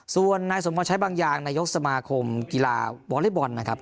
ส่วนนายสมพรใช้บางอย่างนายกสมาคมกีฬาวอเล็กบอลนะครับ